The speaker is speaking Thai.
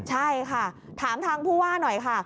ใช่ค่ะถามทางผู้ว่าหน่อยค่ะ